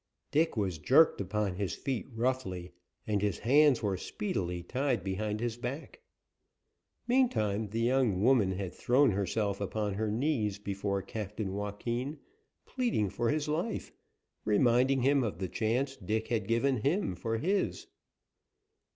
Dick was jerked upon his feet roughly, and his hands were speedily tied behind his back. Mean time the young woman had thrown herself upon her knees before Captain Joaquin, pleading for his life, reminding him of the chance Dick had given him for his.